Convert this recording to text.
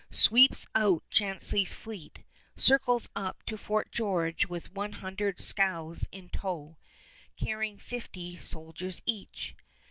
Sweeps out Chauncey's fleet, circles up to Fort George with one hundred scows in tow, carrying fifty soldiers each.